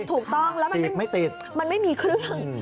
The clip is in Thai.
ถูกต้องแล้วมันไม่มีเครื่อง